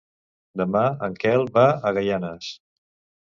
Demà en Quel va a Gaianes.